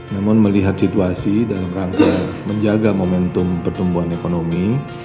namun melihat situasi dalam rangka menjaga momentum pertumbuhan ekonomi